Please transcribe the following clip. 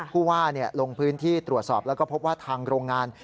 ผู้ว่าลงพื้นที่ตรวจสอบแล้วก็พบว่าทางโรงงาน